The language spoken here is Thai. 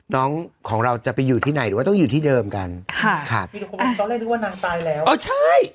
น้องของเราจะไปอยู่ที่ไหนหรือว่าต้องอยู่ที่เดิมกันค่ะค่ะมีทุกคนมันต้องได้นึกว่านางตายแล้ว